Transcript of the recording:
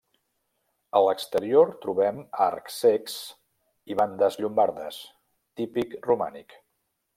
A l'exterior trobem arcs cecs i bandes llombardes, típic romànic.